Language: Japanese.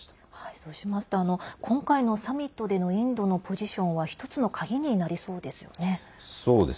そうしますと今回のサミットでのインドのポジションは１つの鍵になりそうですよね。